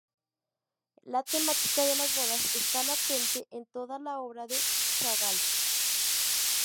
La temática de las bodas está latente en toda la obra de Chagall.